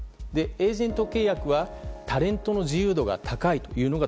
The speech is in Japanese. エージェント契約はタレントの自由度が高いのが